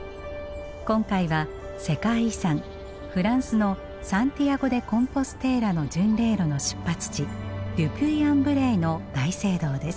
今回は世界遺産フランスのサンティアゴ・デ・コンポステーラの巡礼路の出発地ル・ピュイ・アン・ヴレイの大聖堂です。